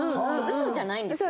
嘘じゃないですね。